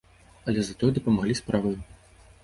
Але затое дапамаглі справаю.